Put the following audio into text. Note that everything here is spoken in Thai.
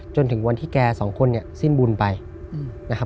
จนถึงวันที่แกสองคนเนี่ยสิ้นบุญไปนะครับ